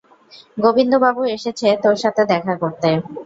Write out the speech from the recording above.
গবিন্দ বাবু এসেছে তোর সাথে দেখা করতে।